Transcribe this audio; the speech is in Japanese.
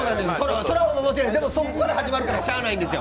でも、そこから始まるからしゃあないんですよ。